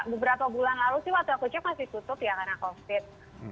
beberapa bulan lalu sih waktu aku cek masih tutup ya karena covid